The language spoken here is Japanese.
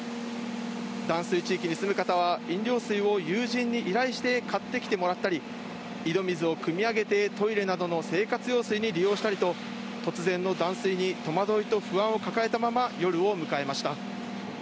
断水地域に住む方は、飲料水を友人に依頼して買ってきてもらったり、井戸水をくみ上げてトイレなどの生活用水に利用したりと、突然の断水に戸惑いと不安を抱えたまま、夜を迎えました。